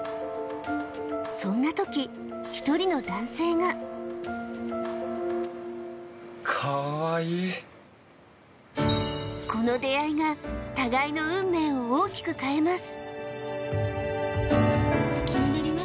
そんな時１人の男性がこの出会いが互いの運命を大きく変えます・